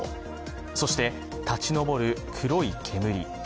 そして、立ち上る黒い煙。